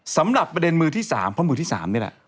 สำหรับประเด็นมือที่๓เพราะมือที่๓นี่แหละ